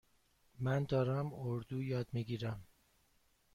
من دارم اردو یاد می گیرم.